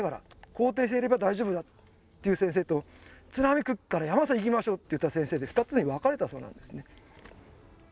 「校庭さいれば大丈夫だ」っていう先生と「津波来っから山さ行きましょう」っていった先生で２つに分かれたそうなんですね